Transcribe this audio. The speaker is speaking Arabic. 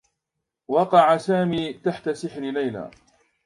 وقع سامي تحت سحر ليلى.